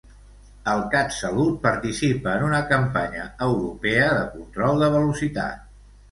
El CatSalut participa en una campanya europea de control de velocitat.